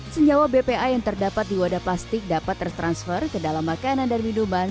senyawa bpa yang terdapat di wadah plastik dapat tertransfer ke dalam makanan dan minuman